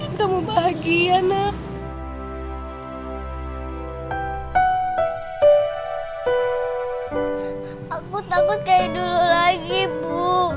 aku takut kayak dulu lagi bu